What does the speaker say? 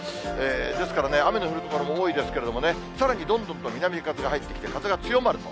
ですからね、雨の降る所も多いですけどね、さらにどんどんと南風が入ってきて風が強まると。